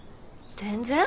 全然。